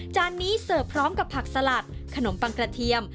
นี้เสิร์ฟพร้อมกับผักสลัดขนมปังกระเทียม